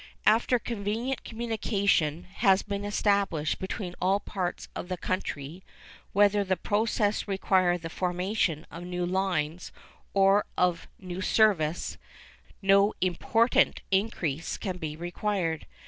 After convenient communication has been established between all parts of the country—whether the process require the formation of new lines or of new services—no important increase can be required.